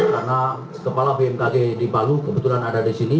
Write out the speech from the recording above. karena kepala bmkg di palu kebetulan ada di sini